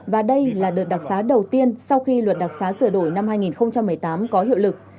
và đây là đợt đặc xá đầu tiên sau khi luật đặc xá sửa đổi năm hai nghìn một mươi tám có hiệu lực